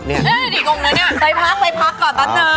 ไปพักก่อนปั๊บนึง